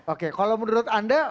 oke kalau menurut anda